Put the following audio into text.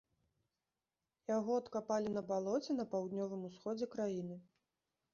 Яго адкапалі на балоце на паўднёвым усходзе краіны.